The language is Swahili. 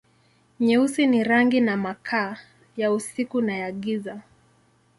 Nyeusi ni rangi na makaa, ya usiku na ya giza.